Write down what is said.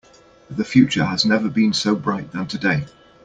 The future has never been so bright than today.